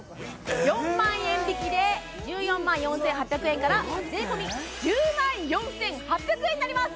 ４万円引きで１４万４８００円から税込１０万４８００円になります